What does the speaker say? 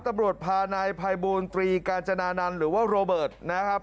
ตำรวจพานายภัยบูรตรีกาญจนานันต์หรือว่าโรเบิร์ตนะครับ